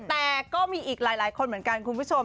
แต่ก็มีอีกหลายคนเหมือนกันคุณผู้ชม